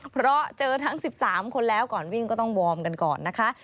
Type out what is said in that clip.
เพราะเจอทั้ง๑๓คนแล้วก่อนวิ่งก็ต้องวอร์มกันก่อนนะคะ